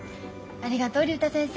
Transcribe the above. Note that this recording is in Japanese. ありがとう竜太先生。